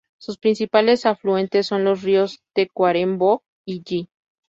Sus principales afluentes son los ríos Tacuarembó y Yi.